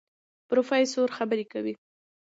پروفېسر خبرې کوي.